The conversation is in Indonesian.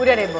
udah deh boh